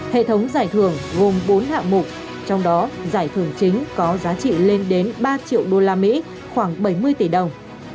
hệ thống giải thưởng gồm bốn hạng mục trong đó giải thưởng chính có giá trị lên đến ba triệu đô la mỹ khoảng bảy mươi tỷ đồng